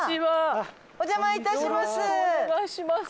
お邪魔致します。